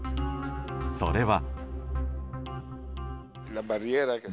それは。